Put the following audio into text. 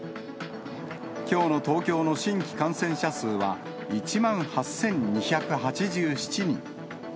きょうの東京の新規感染者数は１万８２８７人。